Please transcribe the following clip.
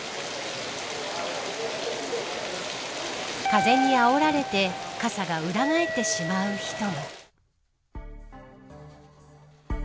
風にあおられて傘が裏返ってしまう人も。